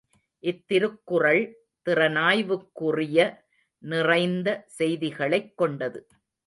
இத் திருக்குறள் திறனாய்வுக்குறிய நிறைந்த செய்திகளைக் கொண்டது.